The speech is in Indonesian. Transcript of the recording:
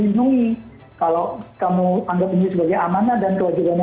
jadi kita harus menganggap ini sebuah aturan perantasan di